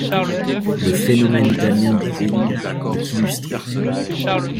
Le phénomène italien des veline est illustré.